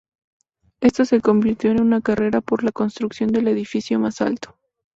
Esto se convirtió en una carrera por la construcción del edificio más alto.